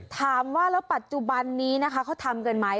ถามว่าแล้วปัจจุบันนี้นะคะเขาทำกันไหม